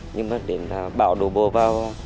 nhưng mà đến bão đổ bộ vào